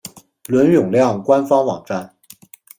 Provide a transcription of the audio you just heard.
伦永亮官方网站